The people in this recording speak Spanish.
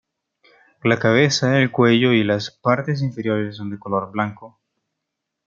La cabeza, el cuello y las partes inferiores son de color blanco.